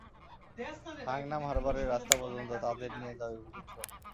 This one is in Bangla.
হাংনাম হারবারের রাস্তা পর্যন্ত তাদের নিয়ে যাবে, বুঝেছো?